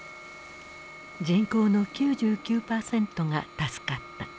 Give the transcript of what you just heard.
人口の９９％が助かった。